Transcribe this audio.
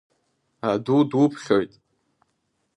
Аду дуԥхьоит!